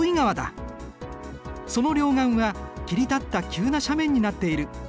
その両岸は切り立った急な斜面になっている。